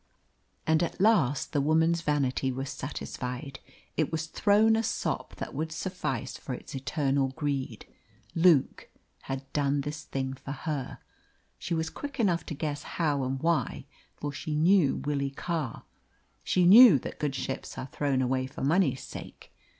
And at last the woman's vanity was satisfied; it was thrown a sop that would suffice for its eternal greed. Luke had done this thing for her. She was quick enough to guess how and why, for she knew Willie Carr. She knew that good ships are thrown away for money's sake.